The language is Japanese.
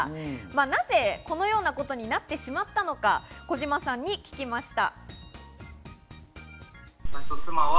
なぜこのようなことになってしまったのか、小島さんに聞きました。